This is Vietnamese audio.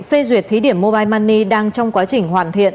phê duyệt thí điểm mobile money đang trong quá trình hoàn thiện